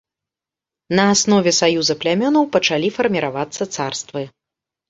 На аснове саюза плямёнаў пачалі фарміравацца царствы.